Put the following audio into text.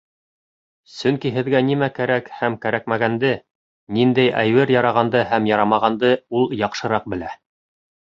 Сөнки һеҙгә нимә кәрәк һәм кәрәкмәгәнде, ниндәй әйбер ярағанды һәм ярамағанды ул яҡшыраҡ белә.